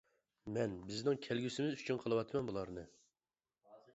مەن بىزنىڭ كەلگۈسىمىز ئۈچۈن قىلىۋاتىمەن بۇلارنى.